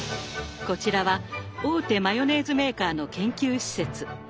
こちらは大手マヨネーズメーカーの研究施設。